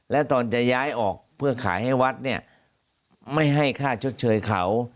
แล้วตอนจะย้ายออกเพื่อขายให้วัดเนี่ยไม่ให้ค่าชดเชยเขา